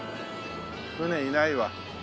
船いないわうん。